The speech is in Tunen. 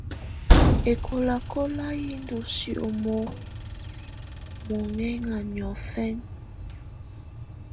Ɛkálɔ̀kálɔ̀ yɛ̀ ndù sìómó munɛna niɔ̀fɛna.